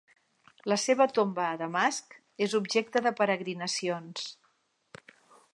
La seva tomba a Damasc és objecte de peregrinacions.